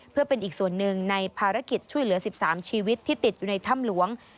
เพื่อเป็นอีกส่วนหนึ่งในภารกิจช่วยเหลือ๑๓ชีวิตที่ติดอยู่ในถ้ำหลวง